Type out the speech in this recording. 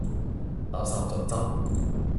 垃圾盡執！